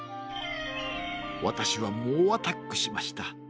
わたしはもうアタックしました。